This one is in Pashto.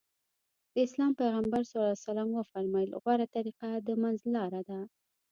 د اسلام پيغمبر ص وفرمايل غوره طريقه د منځ لاره ده.